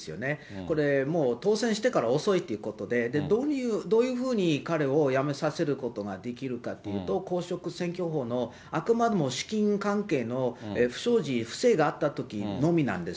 これ、もう当選してから遅いということで、どういうふうに彼を辞めさせることができるかっていうと、公職選挙法のあくまでも資金関係の不祥事、不正があったときのみなんです。